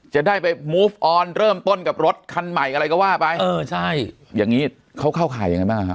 จะได้ไปมูฟออนเริ่มต้นกับรถคันใหม่อะไรก็ว่าไปเออใช่อย่างงี้เขาเข้าข่ายยังไงบ้างฮะ